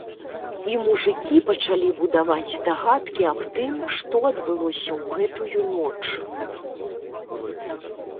І мужыкі пачалі будаваць дагадкі аб тым, што адбылося ў гэтую ноч.